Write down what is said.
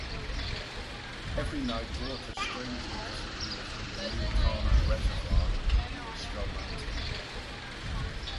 Every night water strangely disappears from the new Tarnack Reservoir near Skull Mountain.